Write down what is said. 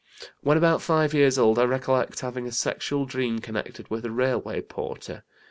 When about 5 years old I recollect having a sexual dream connected with a railway porter.